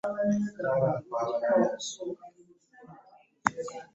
Bagamba ekitayogera tekirema ayogera.